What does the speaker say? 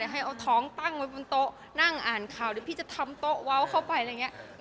ให้เอาท้องตั้งไว้บนโต๊ะนั่งอ่านข่าวเดี๋ยวพี่จะทำโต๊ะเว้าเข้าไปอะไรอย่างนี้